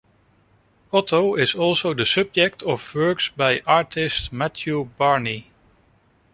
Otto is also the subject of works by artist Matthew Barney.